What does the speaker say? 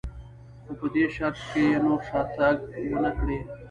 خو په دې شرط که یې نور شاتګ نه و کړی.